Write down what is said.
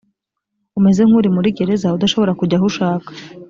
umeze nk uri muri gereza udashobora kujya aho ushaka